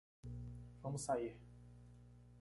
Vamos sair